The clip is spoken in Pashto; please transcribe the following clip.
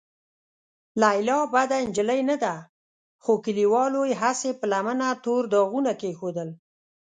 لیلا بده نجلۍ نه ده، خو کليوالو یې هسې په لمنه تور داغونه کېښودل.